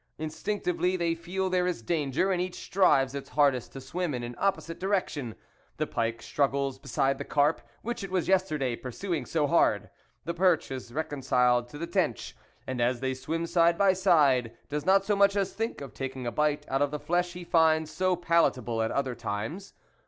Instinctively they feel there is danger, and each strives its hardest to swim in an opposite direction ; the pike struggles beside the carp which it was yesterday pursuing so hard ; the perch is reconciled to the tench, and as they swim side by side, does not so much as think of taking a bite out of the flesh he finds so palatable at other times.